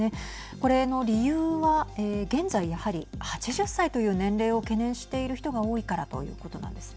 これの理由は現在やはり８０歳という年齢を懸念している人が多いからということなんですね。